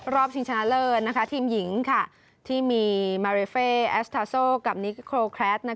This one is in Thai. ชิงชนะเลิศทีมหญิงที่มีมาเรเฟ่แอสทาโซกับนิกโครแครต